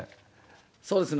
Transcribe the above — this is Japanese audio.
そうですね。